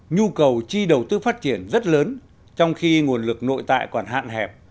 nhu cầu chi đầu tư phát triển rất lớn trong khi nguồn lực nội tại còn hạn hẹp